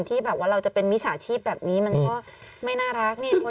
ที่แบบว่าเราจะเป็นมิจฉาชีพแบบนี้มันก็ไม่น่ารักเนี่ย